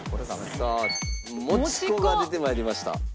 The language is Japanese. さあもち粉が出て参りました。